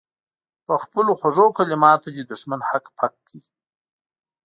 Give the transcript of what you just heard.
په خپلو خوږو کلماتو دې دښمن هک پک کړي.